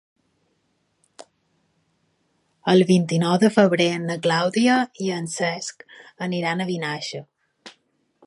El vint-i-nou de febrer na Clàudia i en Cesc aniran a Vinaixa.